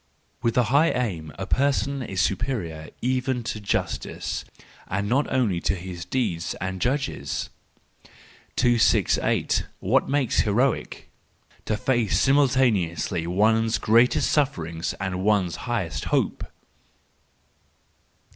—With a high aim a person is superior even to justice, and not only to his deeds and his judges. 268. What makes Heroic? —To face simultaneously one's greatest suffering and one's highest hope.